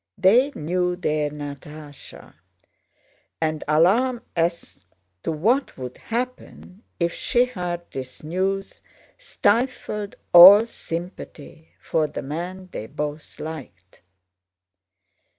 They knew their Natásha, and alarm as to what would happen if she heard this news stifled all sympathy for the man they both liked.